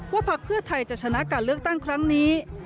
พักเพื่อไทยจะชนะการเลือกตั้งครั้งนี้